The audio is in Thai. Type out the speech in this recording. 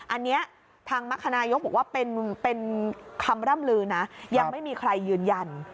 อันนี้ทางมรรคนายกบอกว่าเป็นคำร่ำลือนะยังไม่มีใครยืนยัน